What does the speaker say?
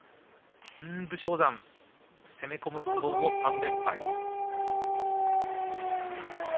武将山、攻め込む相撲も３連敗。